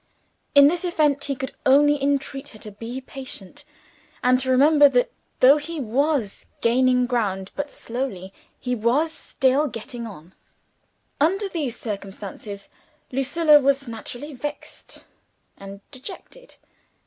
In this event, he could only entreat her to be patient, and to remember that though he was gaining ground but slowly, he was still getting on. Under these circumstances, Lucilla was naturally vexed and dejected.